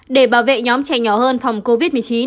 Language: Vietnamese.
để bảo vệ nhóm trẻ nhỏ hơn phòng covid một mươi chín